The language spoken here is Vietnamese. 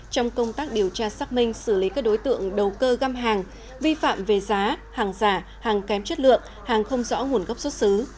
trong công tác điều tra xác minh xử lý các đối tượng đầu cơ găm hàng vi phạm về giá hàng giả hàng kém chất lượng hàng không rõ nguồn gốc xuất xứ